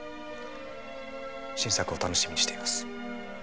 新作を楽しみにしています。